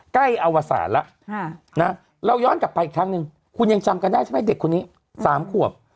อวสารแล้วเราย้อนกลับไปอีกครั้งหนึ่งคุณยังจำกันได้ใช่ไหมเด็กคนนี้๓ขวบ